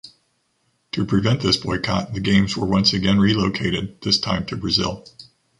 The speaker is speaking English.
To prevent this boycott, the games were once again relocated, this time to Brazil.